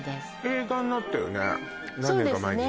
映画になったよね